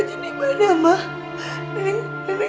nenek akan berusaha buat bagi mama